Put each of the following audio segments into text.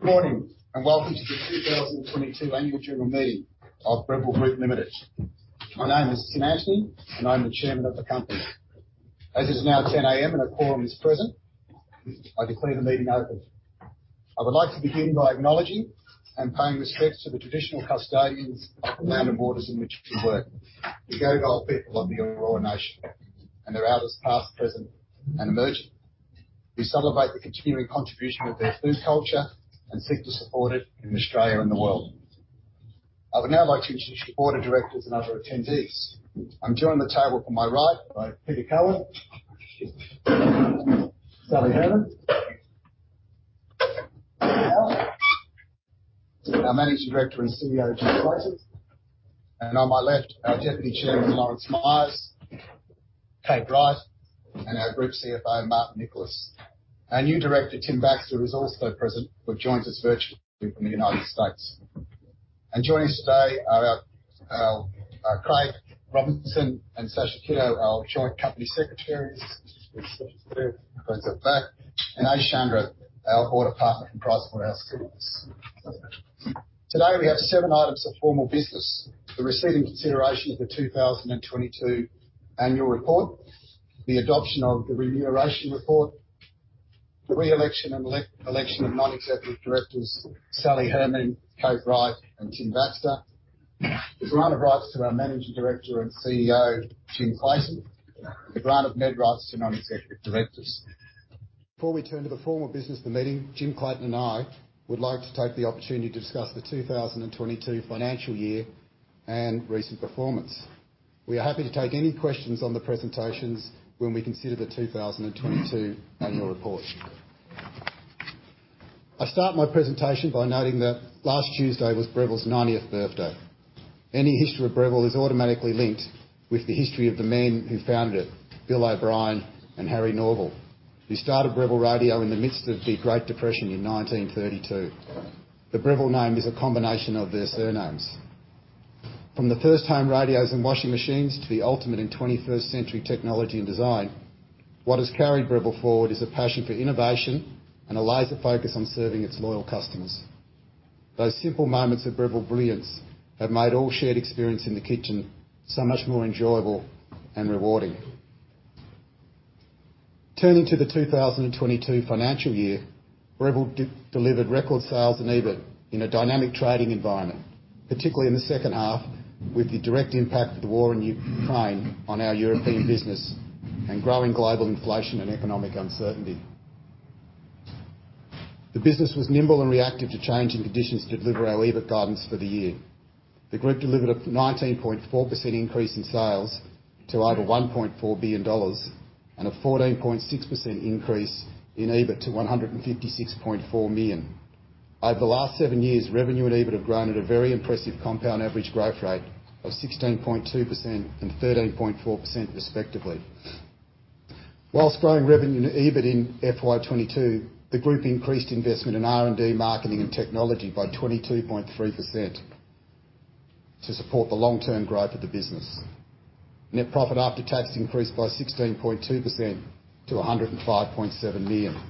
Good morning, and welcome to the 2022 annual general meeting of Breville Group Limited. My name is Tim Antonie, and I'm the Chairman of the company. As it's now 10:00 A.M. and a quorum is present, I declare the meeting open. I would like to begin by acknowledging and paying respects to the traditional custodians of the land and waters in which we work. The Gadigal people of the Eora Nation and their elders, past, present, and emerging. We celebrate the continuing contribution of their food culture and seek to support it in Australia and the world. I would now like to introduce the board of directors and other attendees. I'm joined at the table on my right by Peter Cowan, Sally Herman, our Managing Director and CEO, Jim Clayton. On my left, our Deputy Chairman, Lawrence Myers, Kate Wright, and our Group CFO, Martin Nicholas. Our new director, Tim Baxter, is also present, but joins us virtually from the United States. Joining us today are Craig Robinson and Sasha Kitto, our joint company secretaries [inaudible] the back. [Ayesha Kundra], our audit partner from PricewaterhouseCoopers. Today, we have seven items of formal business. The receipt and consideration of the 2022 annual report, the adoption of the remuneration report, the re-election and election of Non-Executive Directors' Sally Herman, Kate Wright, and Tim Baxter. The grant of rights to our Managing Director and CEO, Jim Clayton. The grant of NED rights to nonexecutive directors. Before we turn to the formal business of the meeting, Jim Clayton and I would like to take the opportunity to discuss the 2022 financial year and recent performance. We are happy to take any questions on the presentations when we consider the 2022 Annual Report. I'll start my presentation by noting that last Tuesday was Breville's 90th birthday. Any history of Breville is automatically linked with the history of the name who founded it, Bill O'Brien and Harry Norville. They started Breville Radio in the midst of the Great Depression in 1932. The Breville name is a combination of their surnames. From the first-time radios and washing machines to the ultimate in 21st century technology and design, what has carried Breville forward is a passion for innovation and a laser focus on serving its loyal customers. Those simple moments of Breville brilliance have made all shared experience in the kitchen so much more enjoyable and rewarding. Turning to the 2022 financial year, Breville delivered record sales and EBIT in a dynamic trading environment, particularly in the second half with the direct impact of the war in Ukraine on our European business and growing global inflation and economic uncertainty. The business was nimble and reactive to changing conditions to deliver our EBIT guidance for the year. The group delivered a 19.4% increase in sales to over 1.4 billion dollars and a 14.6% increase in EBIT to 156.4 million. Over the last seven years, revenue and EBIT have grown at a very impressive compound average growth rate of 16.2% and 13.4%, respectively. Whilst growing revenue and EBIT in FY 2022, the group increased investment in R&D, marketing, and technology by 22.3% to support the long-term growth of the business. Net profit after tax increased by 16.2% to 105.7 million.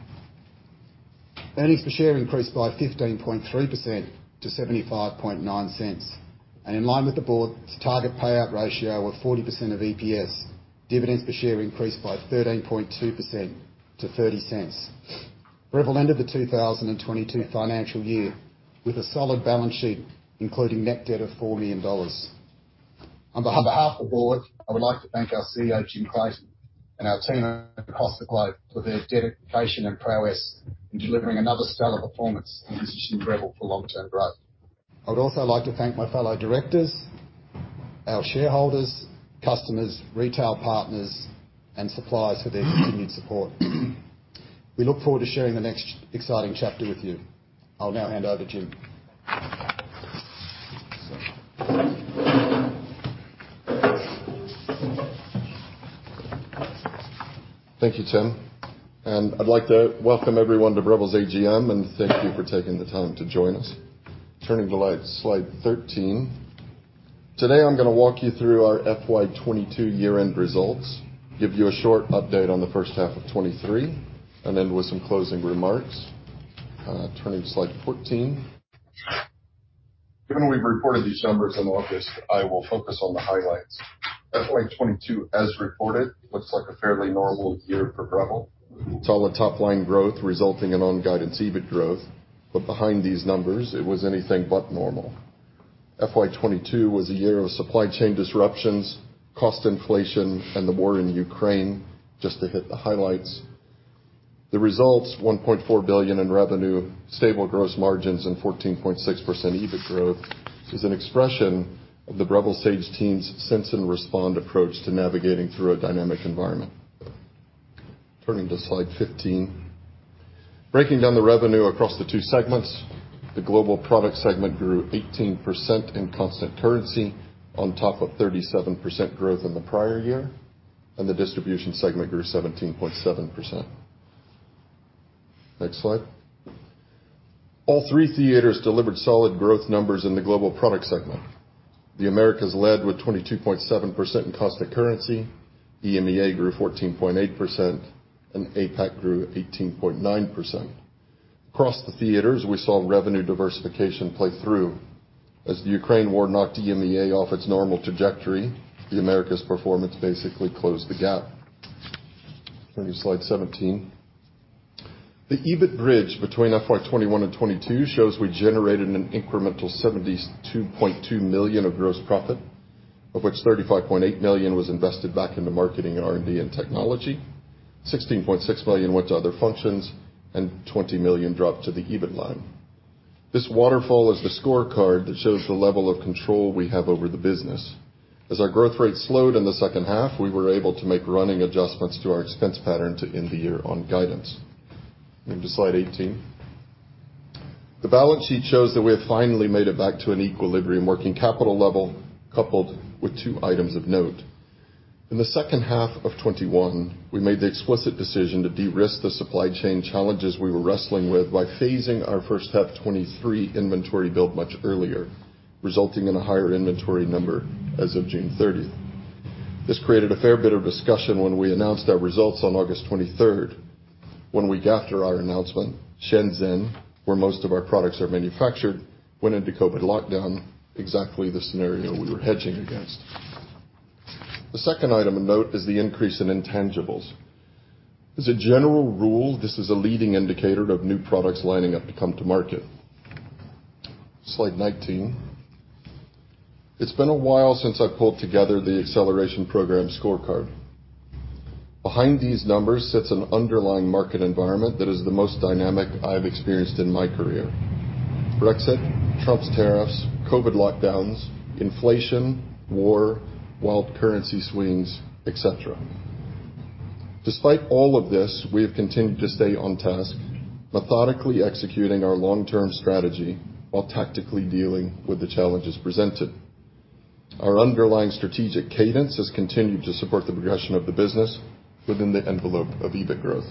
Earnings per share increased by 15.3% to 0.759. And in line with the Board's target payout ratio of 40% of EPS, dividends per share increased by 13.2% to 0.30. Breville ended the 2022 financial year with a solid balance sheet, including net debt of 4 million dollars. On behalf of the Board, I would like to thank our CEO, Jim Clayton, and our team across the globe for their dedication and prowess in delivering another stellar performance and positioning Breville for long-term growth. I would also like to thank my fellow directors, our shareholders, customers, retail partners and suppliers for their continued support. We look forward to sharing the next exciting chapter with you. I'll now hand over to Jim. Thank you, Tim. I'd like to welcome everyone to Breville's AGM, and thank you for taking the time to join us. Turning to slide 13. Today, I'm gonna walk you through our FY 2022 year-end results, give you a short update on the first half of 2023, and end with some closing remarks. Turning to slide 14. Given we've reported these numbers in August, I will focus on the highlights. FY 2022, as reported, looks like a fairly normal year for Breville. Solid top-line growth resulting in on-guidance EBIT growth. Behind these numbers, it was anything but normal. FY 2022 was a year of supply chain disruptions, cost inflation, and the war in Ukraine, just to hit the highlights. The results, 1.4 billion in revenue, stable gross margins, and 14.6% EBIT growth is an expression of the Breville Sage team's sense and respond approach to navigating through a dynamic environment. Turning to slide 15. Breaking down the revenue across the two segments. The global product segment grew 18% in constant currency on top of 37% growth in the prior year. The distribution segment grew 17.7%. Next slide. All three theaters delivered solid growth numbers in the global product segment. The Americas led with 22.7% in constant currency, EMEA grew 14.8%, and APAC grew 18.9%. Across the theaters, we saw revenue diversification play through. As the Ukraine war knocked EMEA off its normal trajectory, the Americas performance basically closed the gap. Turning to slide 17. The EBIT bridge between FY 2021 and 2022 shows we generated an incremental 72.2 million of gross profit, of which 35.8 million was invested back into marketing and R&D and technology, 16.6 million went to other functions, and 20 million dropped to the EBIT line. This waterfall is the scorecard that shows the level of control we have over the business. As our growth rate slowed in the second half, we were able to make running adjustments to our expense pattern to end the year on guidance. Moving to slide 18. The balance sheet shows that we have finally made it back to an equilibrium working capital level, coupled with two items of note. In the second half of 2021, we made the explicit decision to de-risk the supply chain challenges we were wrestling with by phasing our first half 2023 inventory build much earlier, resulting in a higher inventory number as of June 30. This created a fair bit of discussion when we announced our results on August 23. One week after our announcement, Shenzhen, where most of our products are manufactured, went into COVID lockdown, exactly the scenario we were hedging against. The second item of note is the increase in intangibles. As a general rule, this is a leading indicator of new products lining up to come to market. Slide 19. It's been a while since I pulled together the acceleration program scorecard. Behind these numbers sits an underlying market environment that is the most dynamic I've experienced in my career. Brexit, Trump's tariffs, COVID lockdowns, inflation, war, wild currency swings, et cetera. Despite all of this, we have continued to stay on task, methodically executing our long-term strategy while tactically dealing with the challenges presented. Our underlying strategic cadence has continued to support the progression of the business within the envelope of EBIT growth.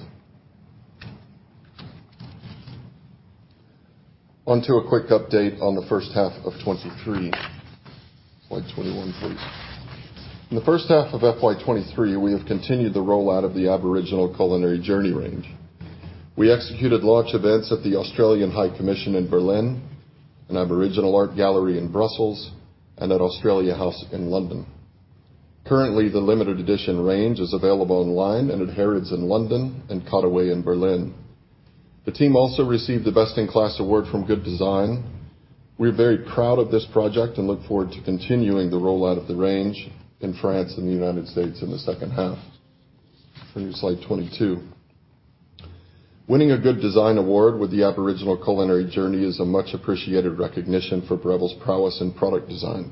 On to a quick update on the first half of 2023. Slide 21, please. In the first half of FY 2023, we have continued the rollout of the Aboriginal Culinary Journey range. We executed launch events at the Australian High Commission in Berlin, an aboriginal art gallery in Brussels, and at Australia House in London. Currently, the limited edition range is available online and at Harrods in London and KaDeWe in Berlin. The team also received the Best-in-Class award from Good Design. We're very proud of this project and look forward to continuing the rollout of the range in France and the United States in the second half. Turning to slide 22. Winning a Good Design Award with the Aboriginal Culinary Journey is a much appreciated recognition for Breville's prowess in product design.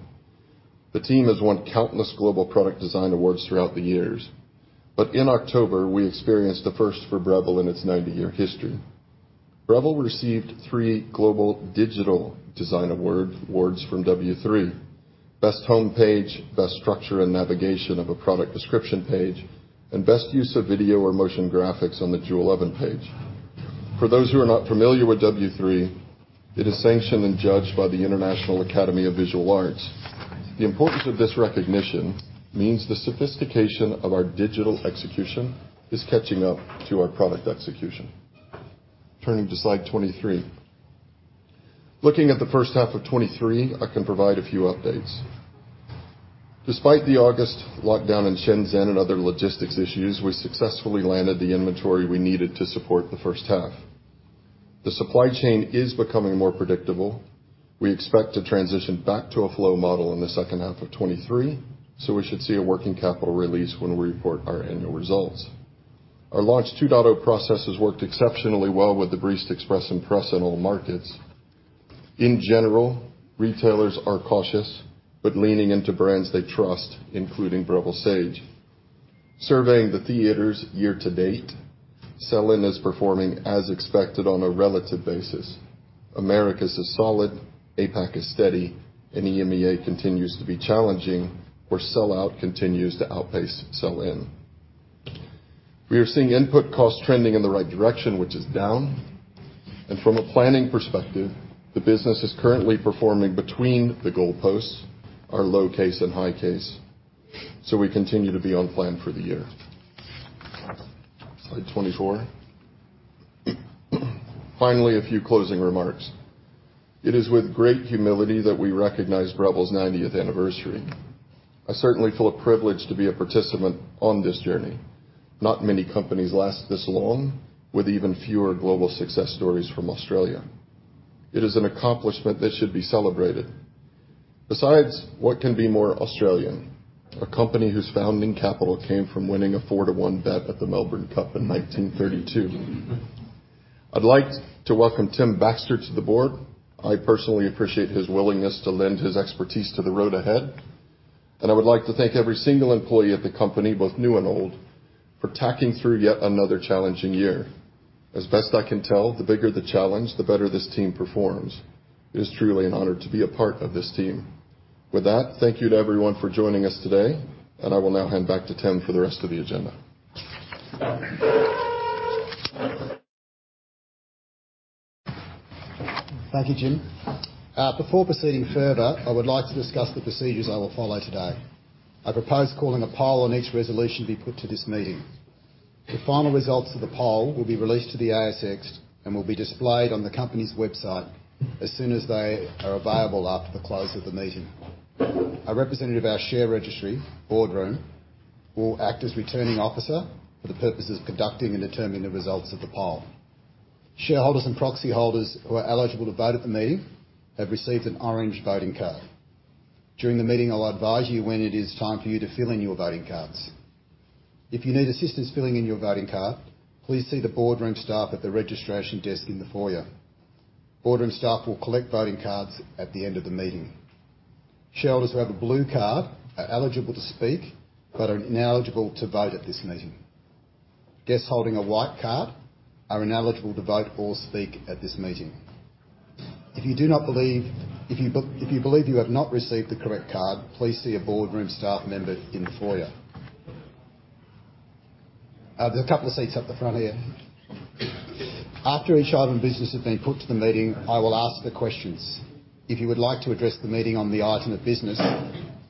The team has won countless global product design awards throughout the years. In October, we experienced a first for Breville in its 90-year history. Breville received three global digital design awards from W3 Awards. Best Homepage, Best Structure and Navigation of a Product Description Page, and Best Use of Video or Motion Graphics on the Joule Oven Page. For those who are not familiar with W3, it is sanctioned and judged by the Academy of Interactive and Visual Arts. The importance of this recognition means the sophistication of our digital execution is catching up to our product execution. Turning to slide 23. Looking at the first half of 2023, I can provide a few updates. Despite the August lockdown in Shenzhen and other logistics issues, we successfully landed the inventory we needed to support the first half. The supply chain is becoming more predictable. We expect to transition back to a flow model in the second half of 2023, so we should see a working capital release when we report our annual results. Our Launch 2.0 processes worked exceptionally well with the Barista Express Impress in all markets. In general, retailers are cautious but leaning into brands they trust, including Breville Sage. Surveying the territories year-to-date, sell-in is performing as expected on a relative basis. Americas is solid, APAC is steady, and EMEA continues to be challenging, where sell-out continues to outpace sell-in. We are seeing input costs trending in the right direction, which is down. From a planning perspective, the business is currently performing between the goalposts, our low case and high case. We continue to be on plan for the year. Slide 24. Finally, a few closing remarks. It is with great humility that we recognize Breville's 90th anniversary. I certainly feel a privilege to be a participant on this journey. Not many companies last this long, with even fewer global success stories from Australia. It is an accomplishment that should be celebrated. Besides, what can be more Australian? A company whose founding capital came from winning a 4-to-1 bet at the Melbourne Cup in 1932. I'd like to welcome Tim Baxter to the board. I personally appreciate his willingness to lend his expertise to the road ahead. I would like to thank every single employee of the company, both new and old, for tackling through yet another challenging year. As best I can tell, the bigger the challenge, the better this team performs. It is truly an honor to be a part of this team. With that, thank you to everyone for joining us today, and I will now hand back to Tim for the rest of the agenda. Thank you, Jim. Before proceeding further, I would like to discuss the procedures I will follow today. I propose calling a poll on each resolution be put to this meeting. The final results of the poll will be released to the ASX and will be displayed on the company's website as soon as they are available after the close of the meeting. A representative of our share registry, Boardroom, will act as returning officer for the purposes of conducting and determining the results of the poll. Shareholders and proxy holders who are eligible to vote at the meeting have received an orange voting card. During the meeting, I'll advise you when it is time for you to fill in your voting cards. If you need assistance filling in your voting card, please see the Boardroom staff at the registration desk in the foyer. Boardroom staff will collect voting cards at the end of the meeting. Shareholders who have a blue card are eligible to speak but are ineligible to vote at this meeting. Guests holding a white card are ineligible to vote or speak at this meeting. If you believe you have not received the correct card, please see a Boardroom staff member in the foyer. There are a couple of seats up the front here. After each item of business has been put to the meeting, I will ask the questions. If you would like to address the meeting on the item of business,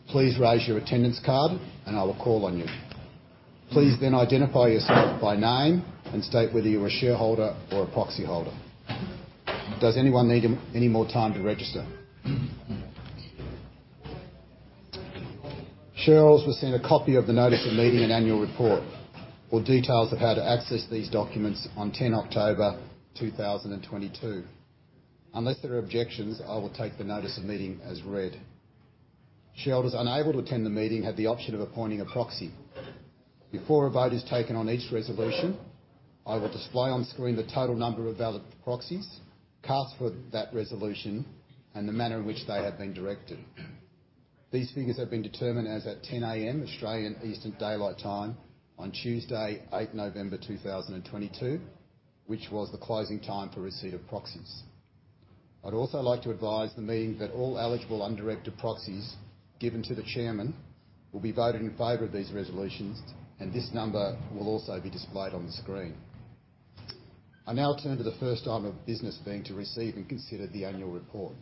please raise your attendance card and I will call on you. Please then identify yourself by name and state whether you're a shareholder or a proxy holder. Does anyone need any more time to register? Shareholders were sent a copy of the notice of meeting and annual report with details of how to access these documents on 10 October 2022. Unless there are objections, I will take the notice of meeting as read. Shareholders unable to attend the meeting had the option of appointing a proxy. Before a vote is taken on each resolution, I will display on screen the total number of valid proxies, cast for that resolution, and the manner in which they have been directed. These figures have been determined as at 10 A.M., Australian Eastern Daylight Time on Tuesday, 8 November 2022, which was the closing time for receipt of proxies. I'd also like to advise the meeting that all eligible undirected proxies given to the chairman will be voted in favor of these resolutions, and this number will also be displayed on the screen. I now turn to the first item of business being to receive and consider the annual report.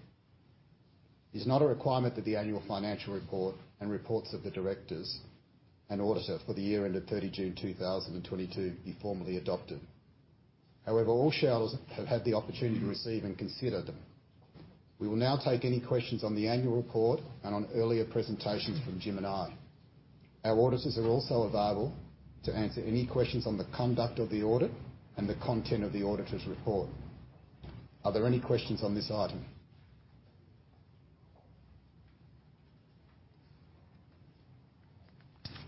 It is not a requirement that the annual financial report and reports of the directors and auditor for the year ended 30 June 2022 be formally adopted. However, all shareholders have had the opportunity to receive and consider them. We will now take any questions on the annual report and on earlier presentations from Jim and I. Our auditors are also available to answer any questions on the conduct of the audit and the content of the auditor's report. Are there any questions on this item?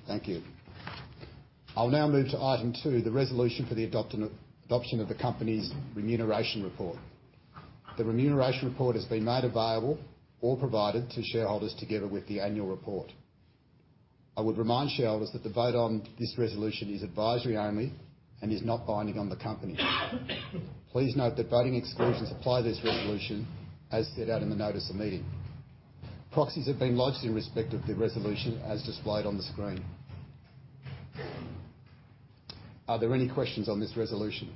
Thank you. I'll now move to item two, the resolution for the adoption of the company's remuneration report. The remuneration report has been made available or provided to shareholders together with the annual report. I would remind shareholders that the vote on this resolution is advisory only and is not binding on the company. Please note that voting exclusions apply to this resolution as set out in the notice of meeting. Proxies have been lodged in respect of the resolution as displayed on the screen. Are there any questions on this resolution?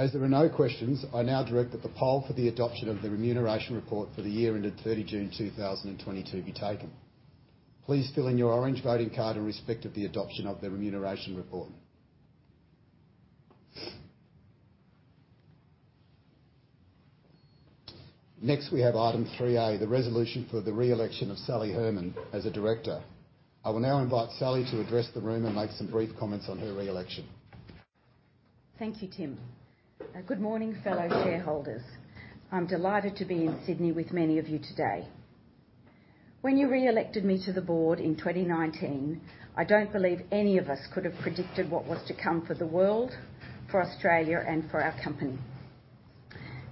As there are no questions, I now direct that the poll for the adoption of the remuneration report for the year ended 30 June 2022 be taken. Please fill in your orange voting card in respect of the adoption of the remuneration report. Next, we have item 3A, the resolution for the re-election of Sally Herman as a director. I will now invite Sally to address the room and make some brief comments on her re-election. Thank you, Tim. Good morning, fellow shareholders. I'm delighted to be in Sydney with many of you today. When you re-elected me to the board in 2019, I don't believe any of us could have predicted what was to come for the world, for Australia, and for our company.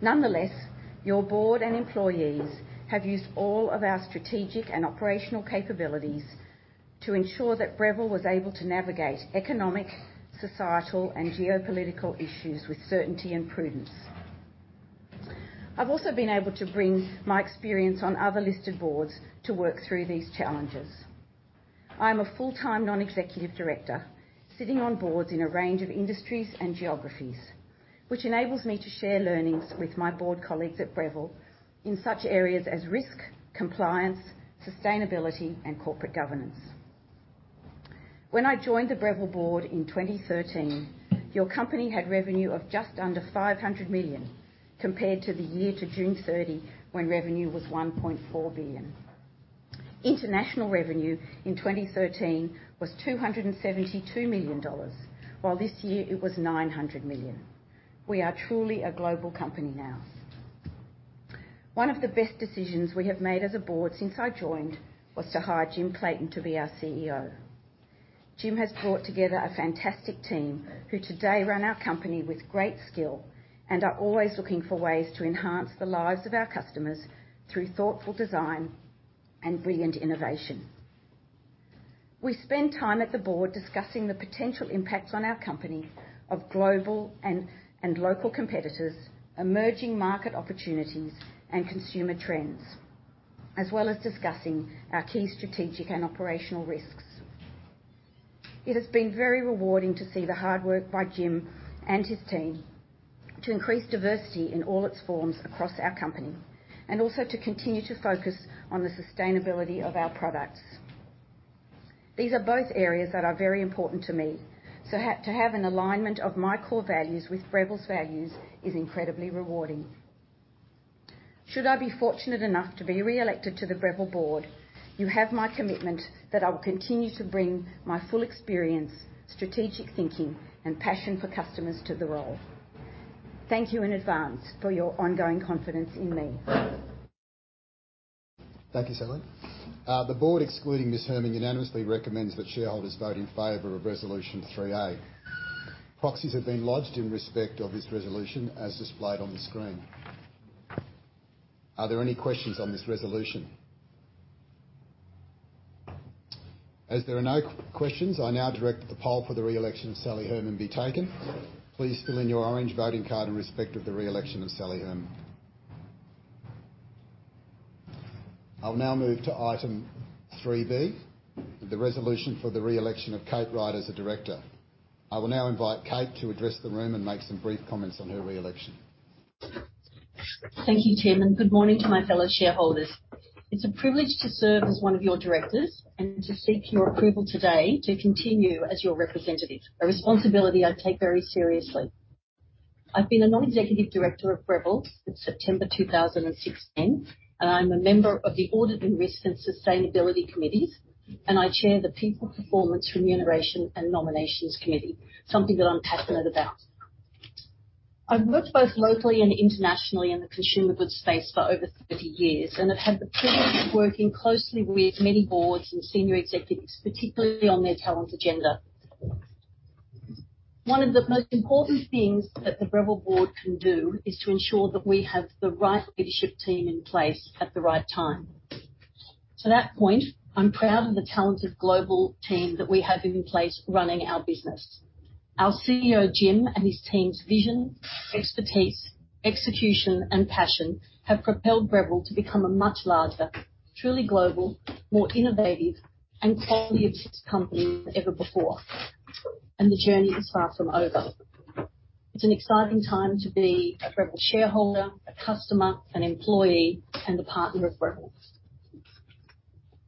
Nonetheless, your board and employees have used all of our strategic and operational capabilities to ensure that Breville was able to navigate economic, societal, and geopolitical issues with certainty and prudence. I've also been able to bring my experience on other listed boards to work through these challenges. I'm a full-time non-executive director, sitting on boards in a range of industries and geographies, which enables me to share learnings with my board colleagues at Breville in such areas as risk, compliance, sustainability, and corporate governance. When I joined the Breville board in 2013, your company had revenue of just under 500 million, compared to the year to June 30, when revenue was 1.4 billion. International revenue in 2013 was 272 million dollars, while this year it was 900 million. We are truly a global company now. One of the best decisions we have made as a board since I joined was to hire Jim Clayton to be our CEO. Jim has brought together a fantastic team who today run our company with great skill and are always looking for ways to enhance the lives of our customers through thoughtful design and brilliant innovation. We spend time at the board discussing the potential impacts on our company of global and local competitors, emerging market opportunities and consumer trends, as well as discussing our key strategic and operational risks. It has been very rewarding to see the hard work by Jim and his team to increase diversity in all its forms across our company, and also to continue to focus on the sustainability of our products. These are both areas that are very important to me. To have an alignment of my core values with Breville's values is incredibly rewarding. Should I be fortunate enough to be re-elected to the Breville board, you have my commitment that I will continue to bring my full experience, strategic thinking and passion for customers to the role. Thank you in advance for your ongoing confidence in me. Thank you, Sally. The board, excluding Ms. Herman, unanimously recommends that shareholders vote in favor of Resolution 3A. Proxies have been lodged in respect of this resolution as displayed on the screen. Are there any questions on this resolution? As there are no questions, I now direct that the poll for the re-election of Sally Herman be taken. Please fill in your orange voting card in respect of the re-election of Sally Herman. I'll now move to item 3B, the resolution for the re-election of Kate Wright as a director. I will now invite Kate to address the room and make some brief comments on her re-election. Thank you, Chairman. Good morning to my fellow shareholders. It's a privilege to serve as one of your directors and to seek your approval today to continue as your representative. A responsibility I take very seriously. I've been a non-executive director of Breville since September 2016, and I'm a member of the Audit and Risk and Sustainability Committees, and I chair the People, Performance, Remuneration, and Nominations Committee, something that I'm passionate about. I've worked both locally and internationally in the consumer goods space for over 30 years, and I've had the privilege of working closely with many boards and senior executives, particularly on their talent agenda. One of the most important things that the Breville board can do is to ensure that we have the right leadership team in place at the right time. To that point, I'm proud of the talented global team that we have in place running our business. Our CEO, Jim, and his team's vision, expertise, execution and passion have propelled Breville to become a much larger, truly global, more innovative and quality-obsessed company than ever before. The journey is far from over. It's an exciting time to be a Breville shareholder, a customer, an employee, and a partner of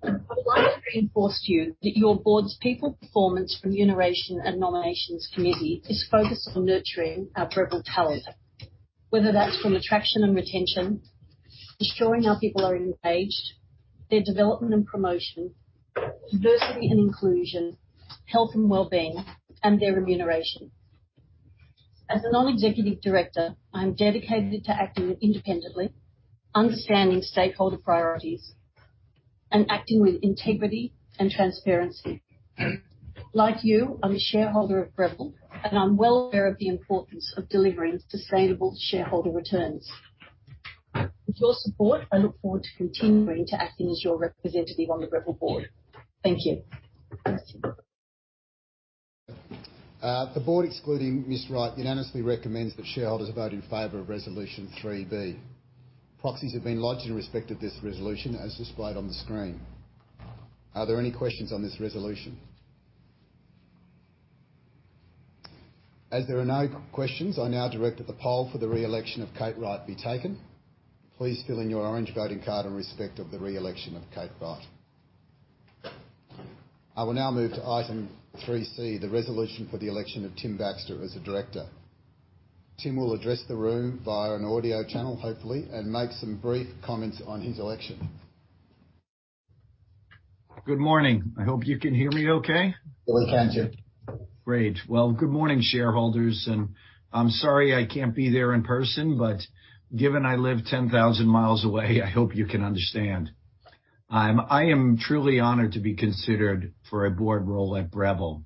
Breville. I'd like to reinforce to you that your board's people, performance, remuneration, and nominations committee is focused on nurturing our Breville talent, whether that's from attraction and retention, ensuring our people are engaged, their development and promotion, diversity and inclusion, health and wellbeing, and their remuneration. As a non-executive director, I am dedicated to acting independently, understanding stakeholder priorities and acting with integrity and transparency. Like you, I'm a shareholder of Breville, and I'm well aware of the importance of delivering sustainable shareholder returns. With your support, I look forward to continuing to acting as your representative on the Breville board. Thank you. The board, excluding Ms. Wright, unanimously recommends that shareholders vote in favor of Resolution 3B. Proxies have been lodged in respect of this resolution as displayed on the screen. Are there any questions on this resolution? As there are no questions, I now direct that the poll for the re-election of Kate Wright be taken. Please fill in your orange voting card in respect of the re-election of Kate Wright. I will now move to item 3C, the resolution for the election of Tim Baxter as a director. Tim will address the room via an audio channel, hopefully, and make some brief comments on his election. Good morning. I hope you can hear me okay. We can, Tim. Great. Well, good morning, shareholders, and I'm sorry I can't be there in person, but given I live 10,000 miles away, I hope you can understand. I am truly honored to be considered for a board role at Breville.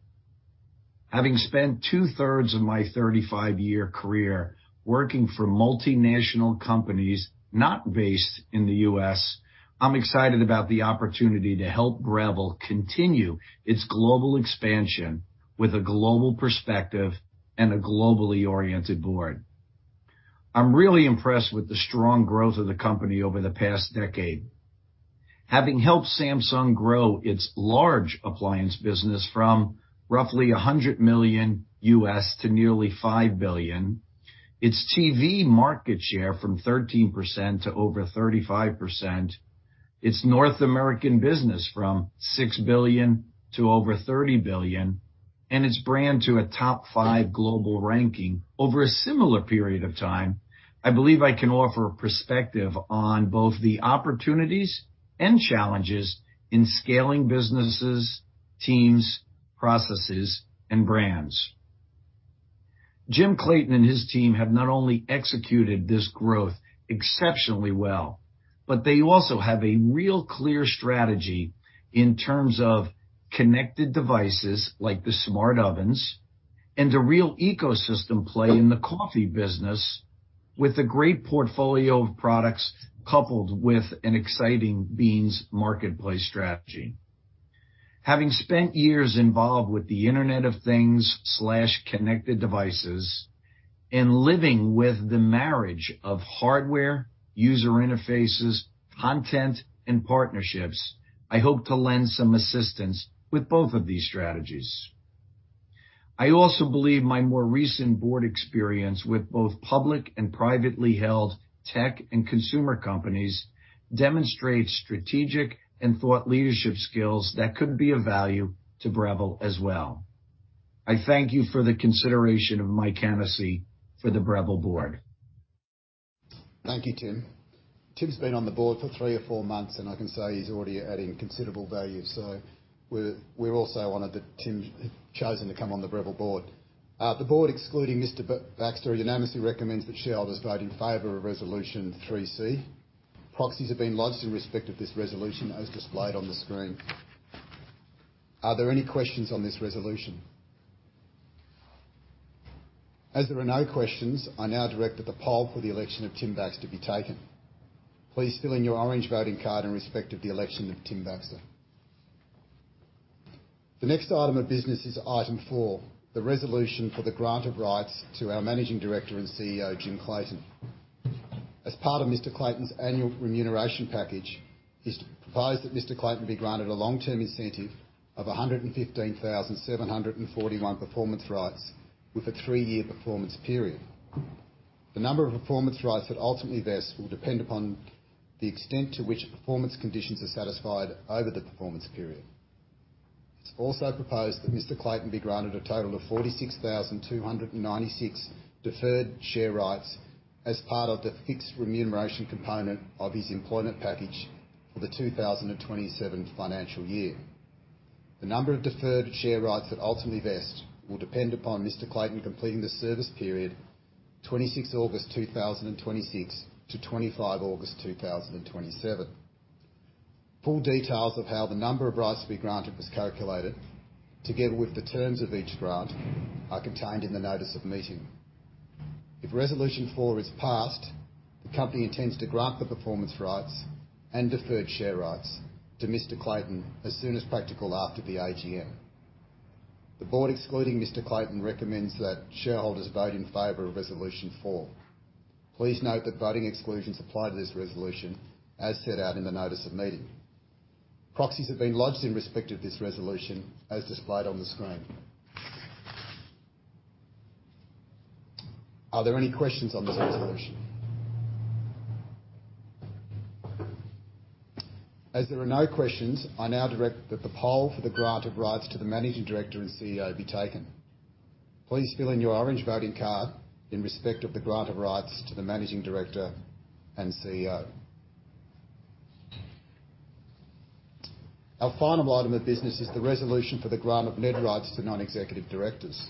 Having spent 2/3 of my 35-year career working for multinational companies not based in the U.S., I'm excited about the opportunity to help Breville continue its global expansion with a global perspective and a globally-oriented board. I'm really impressed with the strong growth of the company over the past decade. Having helped Samsung grow its large appliance business from roughly $100 million to nearly $5 billion, its TV market share from 13% to over 35%, its North American business from $6 billion to over $30 billion, and its brand to a top five global ranking over a similar period of time, I believe I can offer a perspective on both the opportunities and challenges in scaling businesses, teams, processes and brands. Jim Clayton and his team have not only executed this growth exceptionally well, but they also have a real clear strategy in terms of connected devices like the smart ovens and a real ecosystem play in the coffee business with a great portfolio of products, coupled with an exciting beans marketplace strategy. Having spent years involved with the Internet of Things/Connected Devices and living with the marriage of hardware, user interfaces, content, and partnerships, I hope to lend some assistance with both of these strategies. I also believe my more recent board experience with both public and privately held tech and consumer companies demonstrates strategic and thought leadership skills that could be of value to Breville as well. I thank you for the consideration of my candidancy for the Breville board. Thank you, Tim. Tim's been on the board for three or four months, and I can say he's already adding considerable value. We're also honored that Tim has chosen to come on the Breville board. The board, excluding Mr. Baxter, unanimously recommends that shareholders vote in favor of Resolution 3c. Proxies have been lodged in respect of this resolution as displayed on the screen. Are there any questions on this resolution? As there are no questions, I now direct that the poll for the election of Tim Baxter be taken. Please fill in your orange voting card in respect of the election of Tim Baxter. The next item of business is item 4, the resolution for the grant of rights to our Managing Director and CEO, Jim Clayton. As part of Mr. Clayton's annual remuneration package, it's proposed that Mr. Clayton be granted a long-term incentive of 115,741 performance rights with a three-year performance period. The number of performance rights that ultimately vest will depend upon the extent to which performance conditions are satisfied over the performance period. It's also proposed that Mr. Clayton be granted a total of 46,296 deferred share rights as part of the fixed remuneration component of his employment package for the 2027 financial year. The number of deferred share rights that ultimately vest will depend upon Mr. Clayton completing the service period 26 August 2026 to 25 August 2027. Full details of how the number of rights to be granted was calculated, together with the terms of each grant, are contained in the notice of meeting. If Resolution 4 is passed, the company intends to grant the performance rights and deferred share rights to Mr. Clayton as soon as practical after the AGM. The board, excluding Mr. Clayton, recommends that shareholders vote in favor of Resolution 4. Please note that voting exclusions apply to this resolution as set out in the notice of meeting. Proxies have been lodged in respect of this resolution as displayed on the screen. Are there any questions on this resolution? As there are no questions, I now direct that the poll for the grant of rights to the Managing Director and CEO be taken. Please fill in your orange voting card in respect of the grant of rights to the Managing Director and CEO. Our final item of business is the resolution for the grant of NED rights to Non-Executive Directors.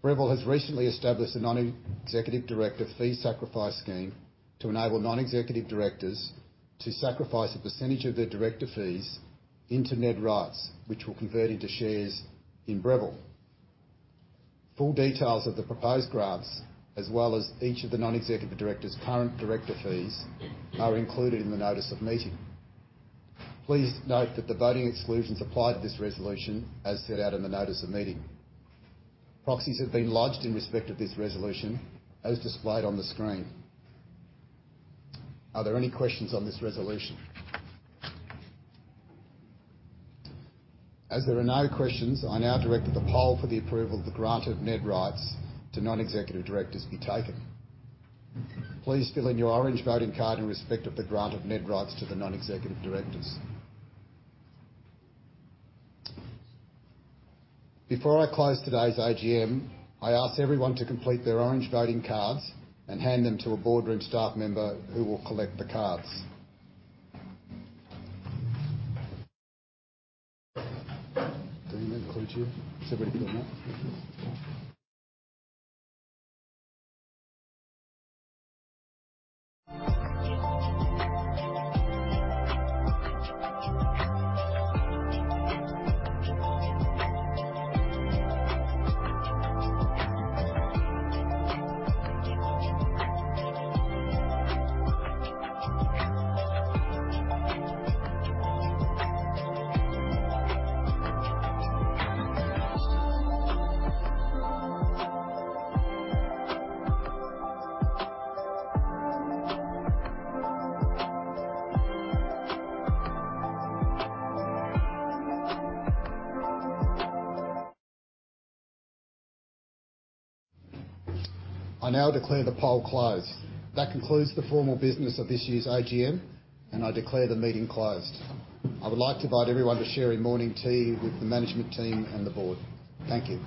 Breville has recently established a non-executive director fee sacrifice scheme to enable non-executive directors to sacrifice a percentage of their director fees into NED rights, which will convert into shares in Breville. Full details of the proposed grants, as well as each of the non-executive directors' current director fees are included in the notice of meeting. Please note that the voting exclusions apply to this resolution as set out in the notice of meeting. Proxies have been lodged in respect of this resolution as displayed on the screen. Are there any questions on this resolution? As there are no questions, I now direct that the poll for the approval of the grant of NED rights to non-executive directors be taken. Please fill in your orange voting card in respect of the grant of NED rights to the non-executive directors. Before I close today's AGM, I ask everyone to complete their orange voting cards and hand them to a boardroom staff member who will collect the cards. I now declare the poll closed. That concludes the formal business of this year's AGM, and I declare the meeting closed. I would like to invite everyone to share in morning tea with the management team and the board. Thank you.